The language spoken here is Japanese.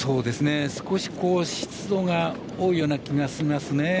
少し湿度が多いような気がしますね。